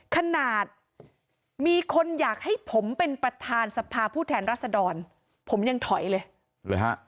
ขนาดมีคนอยากให้ผมเป็นประธานสภาผู้แทนรัศดรผมยังถอยเลยหรือฮะ